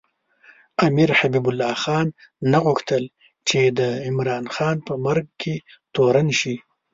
امیر حبیب الله خان نه غوښتل چې د عمراخان په مرګ کې تورن شي.